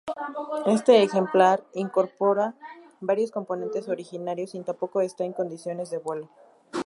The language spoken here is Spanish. Este ejemplar incorpora varios componentes originales y tampoco está en condiciones de vuelo.